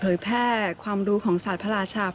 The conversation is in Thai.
ตามแนวทางศาสตร์พระราชาของในหลวงราชการที่๙